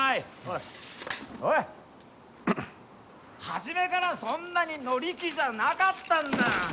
初めからそんなに乗り気じゃなかったんだ。